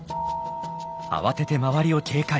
慌てて周りを警戒。